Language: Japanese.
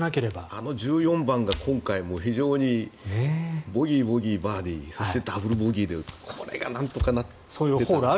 あの１４番が今回、非常にボギー、ボギー、バーディーそしてダブルボギーでこれがなんとかいっていれば。